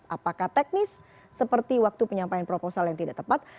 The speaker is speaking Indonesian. apakah teknis seperti waktu penyampaian proposal yang tidak tepat